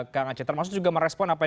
kang aceh termasuk juga merespon apa yang